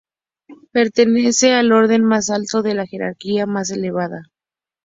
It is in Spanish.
Pertenecen al orden más alto de la jerarquía más elevada.